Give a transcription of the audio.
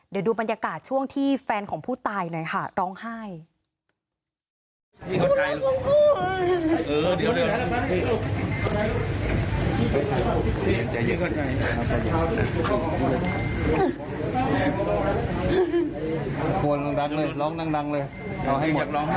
เดี๋ยวดูบรรยากาศช่วงที่แฟนของผู้ตายหน่อยค่ะร้องไห้